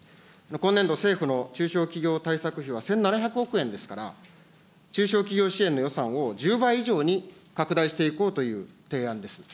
今年度、政府の中小企業対策費は１７００億円ですから、中小企業支援の予算を１０倍以上に拡大していこうという提案です。